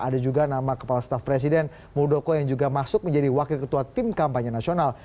ada juga nama kepala staf presiden muldoko yang juga masuk menjadi wakil ketua tim kampanye nasional